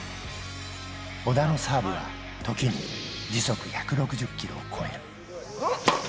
小田のサーブは時に時速１６０キロを超える。